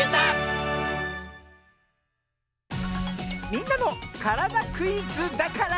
「みんなのからだクイズ」だから。